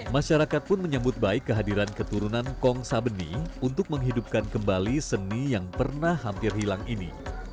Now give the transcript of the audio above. masyarakat pun menyambut baik kehadiran keturunan kong sabeni untuk menghidupkan kembali seni yang pernah hampir hilang ini